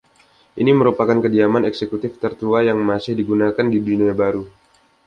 Ini merupakan kediaman eksekutif tertua yang masih digunakan di Dunia Baru.